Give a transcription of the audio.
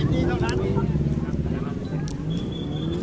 ๓๐นี้เท่านั้น